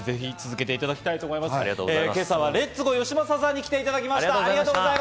今朝はレッツゴーよしまささんに来ていただきました。